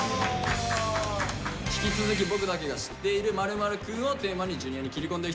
引き続き「僕だけが知っている○○くん」をテーマにＪｒ．に切り込んでいきたいと思います。